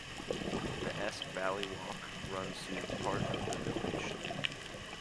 The Esk Valley Walk runs through part of the village.